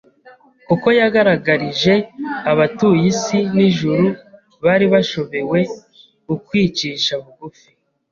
kuko yagaragarije abatuye isi n’ijuru bari bashobewe ukwicisha bugufi